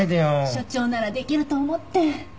所長ならできると思って。